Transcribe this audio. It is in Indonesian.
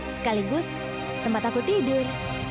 sekaligus tempat aku tidur